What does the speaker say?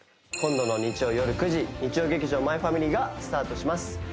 今度の日曜夜９時日曜劇場「マイファミリー」がスタートします